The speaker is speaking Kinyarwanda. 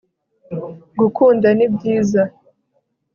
gukunda ni byiza